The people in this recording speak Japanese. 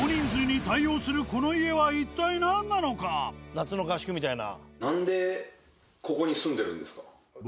夏の合宿みたいな。